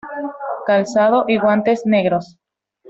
Calzado y guantes negros.